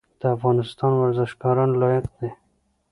د افغانستان ورزشکاران لایق دي